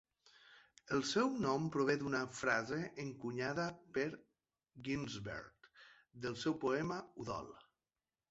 El seu nom prové d'una frase encunyada per Ginsberg, del seu poema "Udol".